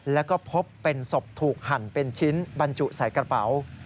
แล้วก็พบเป็นศพถูกหั่นเป็นชิ้นบรรจุใส่กระเป๋า